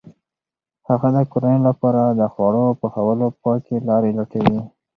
هغه د کورنۍ لپاره د خوړو د پخولو پاکې لارې لټوي.